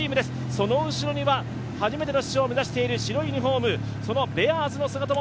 その後ろには初めての出場を目指している白いユニフォーム、ベアーズ。